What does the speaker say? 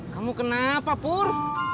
kamu kenapa pur